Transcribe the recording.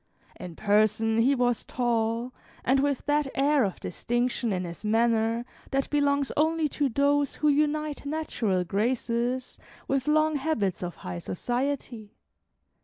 In person he was tall, and with that air of distinction in his manner that belongs only to those who unite natural graces with long habits of high society.